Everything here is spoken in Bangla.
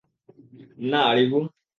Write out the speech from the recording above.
না, আরিভু।